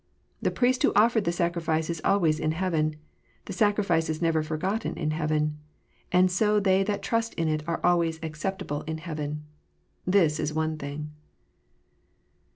The Priest who offered the sacrifice is always in heaven : the sacrifice is never forgotten in heaven : and so they that trust in it are always acceptable in heaven. This is one thing.